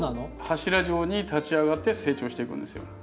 柱状に立ち上がって成長していくんですよ。